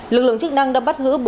lực lượng chức năng đã bắt giữ